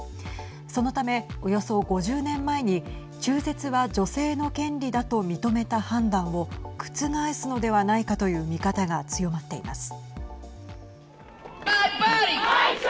そのため、およそ５０年前に中絶は女性の権利だと認めた判断を覆すのではないかという見方が強まっています。